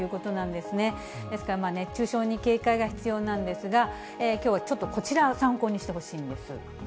ですから、熱中症に警戒が必要なんですが、きょうはちょっと、こちらを参考にしてほしいんです。